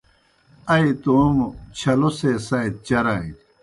ائی تومہ چھلو سے ساتیْ چرانیْ۔